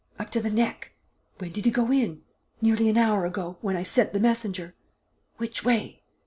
"Up to the neck!" "When did 'e go in?" "Nearly an hour ago; when I sent the messenger." "Which way?"